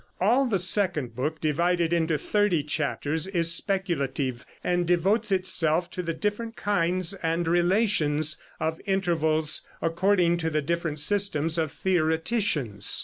All the second book, divided into thirty chapters, is speculative, and devotes itself to the different kinds and relations of intervals, according to the different systems of theoreticians.